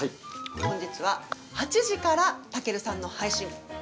本日は８時から健さんの配信。